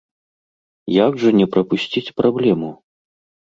Як жа не прапусціць праблему?